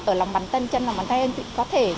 ở lòng bắn tân chân lòng bắn tân có thể